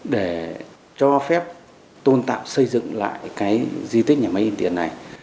để cho phép tôn tạo xây dựng lại cái di tích nhà máy in tiền này